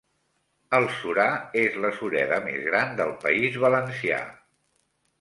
El Surar és la sureda més gran del País Valencià.